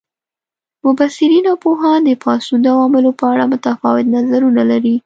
مبصرین او پوهان د پاڅون د عواملو په اړه متفاوت نظرونه لري.